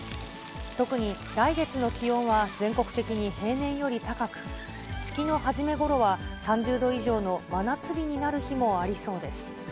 特に来月の気温は全国的に平年より高く、月の初めごろは、３０度以上の真夏日になる日もありそうです。